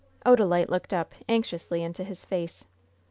Odalite looked up, anxiously, into his face.